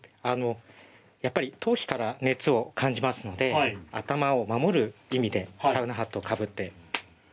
やっぱり頭皮から熱を感じますので頭を守る意味でサウナハットをかぶって。